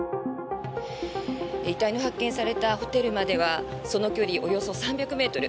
遺体の発見されたホテルまではその距離およそ３００ｍ。